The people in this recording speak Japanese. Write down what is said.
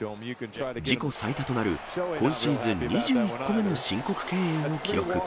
自己最多となる今シーズン２１個目の申告敬遠を記録。